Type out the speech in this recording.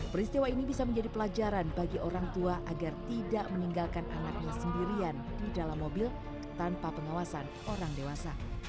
peristiwa ini bisa menjadi pelajaran bagi orang tua agar tidak meninggalkan anaknya sendirian di dalam mobil tanpa pengawasan orang dewasa